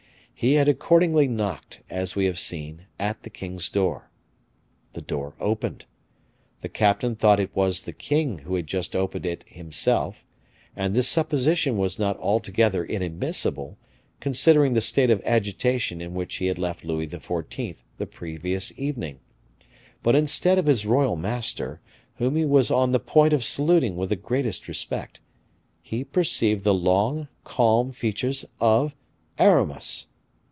He had accordingly knocked, as we have seen, at the king's door. The door opened. The captain thought that it was the king who had just opened it himself; and this supposition was not altogether inadmissible, considering the state of agitation in which he had left Louis XIV. the previous evening; but instead of his royal master, whom he was on the point of saluting with the greatest respect, he perceived the long, calm features of Aramis.